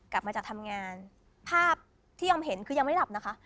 กลับมาจากทำงานภาพที่ออมเห็นคือยังไม่หลับนะคะ